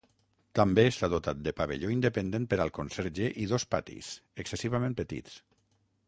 També està dotat de pavelló independent per al conserge i dos patis, excessivament petits.